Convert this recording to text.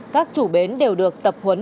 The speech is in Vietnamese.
các chủ bến đều được tập huấn